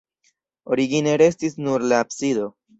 Origine restis nur la absido.